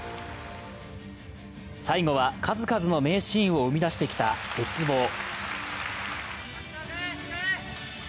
最後は数々の名シーンを生み出してきた鉄棒。